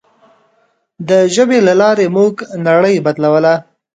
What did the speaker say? د ژبې له لارې موږ نړۍ بدلوله.